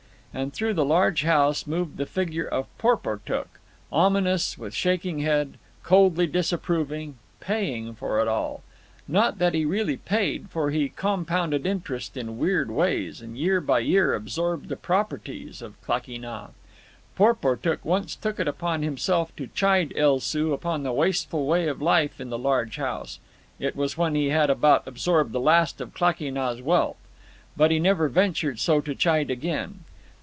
And through the large house moved the figure of Porportuk, ominous, with shaking head, coldly disapproving, paying for it all. Not that he really paid, for he compounded interest in weird ways, and year by year absorbed the properties of Klakee Nah. Porportuk once took it upon himself to chide El Soo upon the wasteful way of life in the large house—it was when he had about absorbed the last of Klakee Nah's wealth—but he never ventured so to chide again.